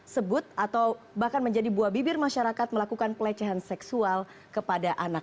sebut atau bahkan menjadi buah bibir masyarakat melakukan pelecehan seksual kepada anak